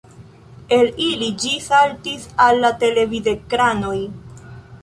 El ili ĝi saltis al la televidekranoj.